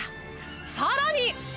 さらに！